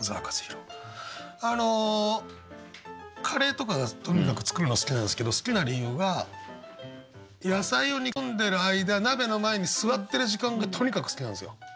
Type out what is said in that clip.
カレーとかがとにかく作るのが好きなんですけど好きな理由が野菜を煮込んでる間鍋の前に座ってる時間がとにかく好きなんですよ。